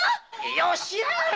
よしやがれ！